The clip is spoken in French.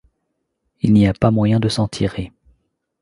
Il n’y a pas moyen de s’en tirer.